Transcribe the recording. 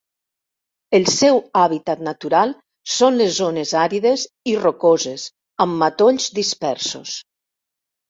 El seu hàbitat natural són les zones àrides i rocoses amb matolls dispersos.